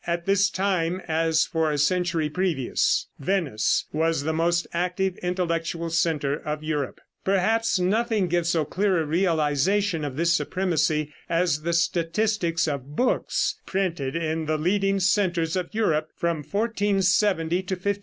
At this time, as for a century previous, Venice was the most active intellectual center of Europe. Perhaps nothing gives so clear a realization of this supremacy as the statistics of books printed in the leading centers of Europe from 1470 to 1500.